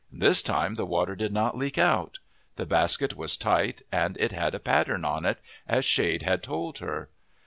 This time the water did not leak out. The basket was tight and it had a pattern on it, as Shade had told her.